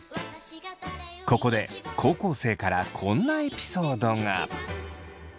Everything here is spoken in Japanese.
ここで高校生からこんなエピソードが。